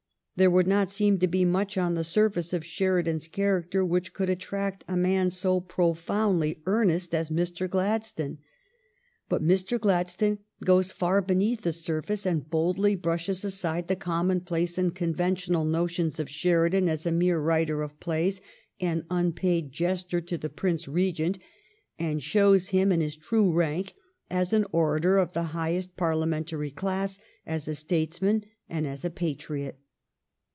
There would not seem to be much on the surface of Sheridan's character which could attract a man so profoundly earnest as Mr. Glad GLADSTONE'S BUSY LEISURE 403 stone. But Mr. Gladstone goes far beneath the surface and boldly brushes aside the commonplace and conventional notions of Sheridan as a mere writer of plays and unpaid jester to the Prince Regent, and shows him in his true rank as an orator of the highest Parliamentary class, as a statesman and as a patriot.